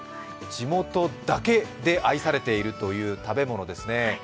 地元だけで愛されているという食べ物ですね。